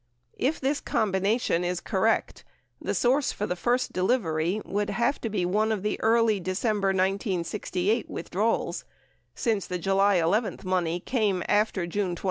If this combination is correct, the source for the first delivery would have to be one of the early December 1968 withdrawals, since the July 11 money came after June 26.